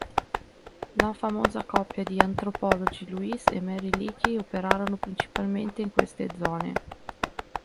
La famosa coppia di antropologi Louis e Mary Leakey operarono principalmente in queste zone.